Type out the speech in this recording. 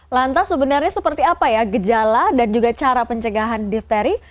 lantas sebenarnya seperti apa ya gejala dan juga cara pencegahan difteri